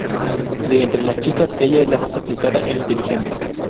De entre las chicas, ella es la más aplicada e inteligente.